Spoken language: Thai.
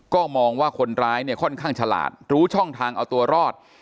ก็มองว่าคนร้ายเนี่ยค่อนข้างฉลาดรู้ช่องทางเอาตัวรอด